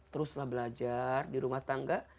teruslah belajar di rumah tangga